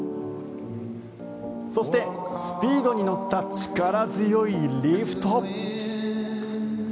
そして、スピードに乗った力強いリフト。